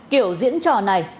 kiểu diễn trò này